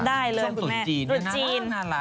ได้เลยแม่ส้มสุดจีน